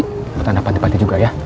kita tanda panti panti juga ya